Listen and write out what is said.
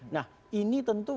nah ini tentu